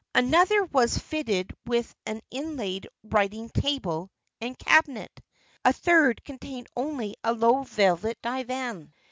Another was fitted with an inlaid writing table and cabinet. A third contained only a low velvet divan.